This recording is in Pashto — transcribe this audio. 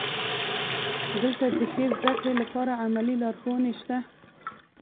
دلته د ښې زده کړې لپاره عملي لارښوونې شته.